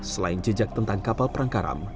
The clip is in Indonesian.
selain jejak tentang kapal perang karam